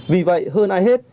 vì vậy hơn ai hết